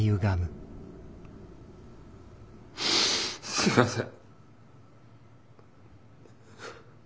すいません。